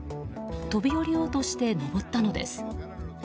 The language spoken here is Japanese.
飛び降りようとして上ったのです。